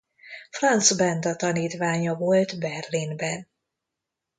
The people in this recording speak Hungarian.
Franz Benda tanítványa volt Berlinben.